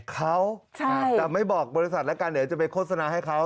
เขาแต่ไม่บอกบริษัทแล้วกันเดี๋ยวจะไปโฆษณาให้เขา